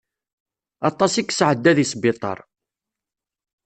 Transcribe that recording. Aṭas i yesεedda di sbiṭar.